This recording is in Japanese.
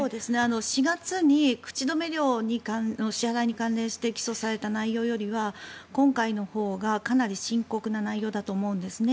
４月に口止め料の支払いに関連して起訴された内容よりは今回のほうがかなり深刻な内容だと思うんですね。